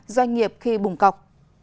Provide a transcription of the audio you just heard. doanh nghiệp khi bùng cọc